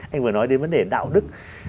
anh vừa nói đến vấn đề đạo đức